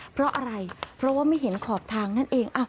เพราะอะไรเพราะว่าไม่เห็นขอบทางนั่นเอง